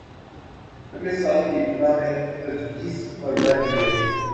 اگلے سال کی ابتدا میں تجویز پر رائے دے گی